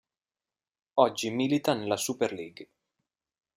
Oggi milita nella Super League.